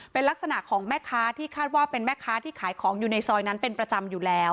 เป็นลักษณะของแม่ค้าที่คาดว่าเป็นแม่ค้าที่ขายของอยู่ในซอยนั้นเป็นประจำอยู่แล้ว